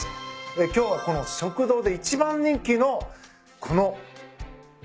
今日はこの食堂で一番人気のこの何？